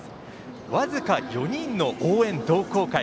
僅か４人の応援同好会。